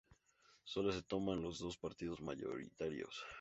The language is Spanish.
Solo se toman los dos partidos mayoritarios.